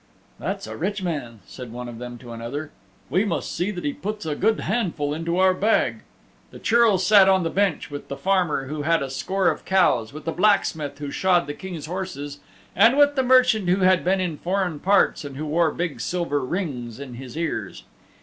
"That's a rich man," said one of them to another. "We must see that he puts a good handful into our bag." The Churl sat on the bench with the farmer who had a score of cows, with the blacksmith who shod the King's horses, and with the merchant who had been in foreign parts and who wore big silver rings in his ears.